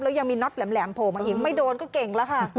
แล้วยังมีน็อตแหลมโผล่มาอีกไม่โดนก็เก่งแล้วค่ะ